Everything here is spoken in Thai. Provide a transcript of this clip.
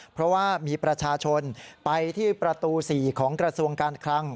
เพราะว่ามีประชาชนไปที่ประตู๔ของกระทรวงการคลัง